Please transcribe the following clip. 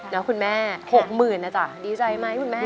แล้วคุณแม่๖๐๐๐นะจ๊ะดีใจไหมคุณแม่